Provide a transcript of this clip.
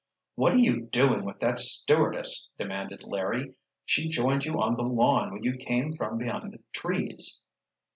"What are you doing with that stewardess?" demanded Larry. "She joined you on the lawn when you came from behind the trees."